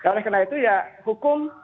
oleh karena itu hukum